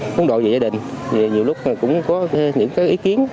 quân đội về gia đình nhiều lúc cũng có những ý kiến